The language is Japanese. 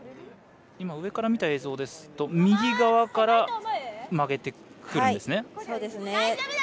上から見た映像ですと右側から曲げてくるんですね。